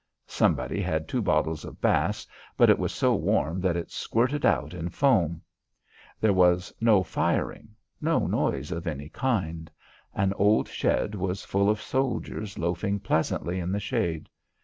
Somebody had two bottles of Bass, but it was so warm that it squirted out in foam. There was no firing; no noise of any kind. An old shed was full of soldiers loafing pleasantly in the shade.